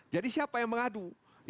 jadi siapa yang mengadu